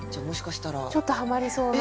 ちょっとハマりそうな予感既に。